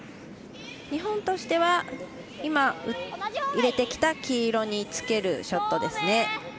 日本としては今、入れてきた黄色につけるショットですね。